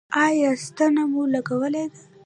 ایا ستنه مو لګولې ده؟